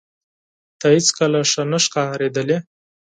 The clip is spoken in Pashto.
ته هیڅکله ښه نه ښکارېدلې